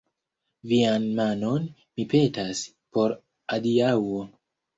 Vian manon, mi petas, por adiaŭo.